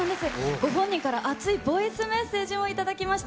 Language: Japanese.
ご本人から熱いボイスメッセージを頂きました。